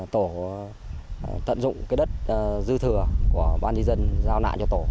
tổ tận dụng đất dư thừa của ban nhân dân giao nạn cho tổ